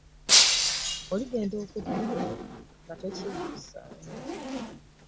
Oligenda okutuuka eno nga tokyejjusa.